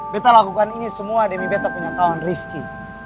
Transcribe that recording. betah lakukan ini semua demi betah punya kawan rifki